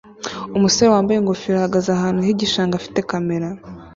Umusore wambaye ingofero ahagaze ahantu h'igishanga afite kamera